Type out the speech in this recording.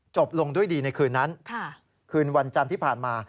จบลงด้วยดีในคืนนั้นคืนวันจันทร์ที่ผ่านมา